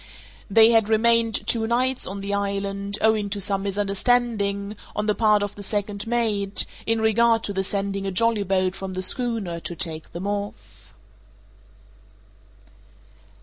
They had remained two nights on the island, owing to some misunderstanding, on the part of the second mate, in regard to the sending a jollyboat from the schooner to take them off.